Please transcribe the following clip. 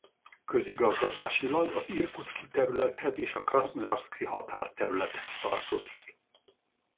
Közigazgatásilag az Irkutszki területhez és a Krasznojarszki határterülethez tartozik.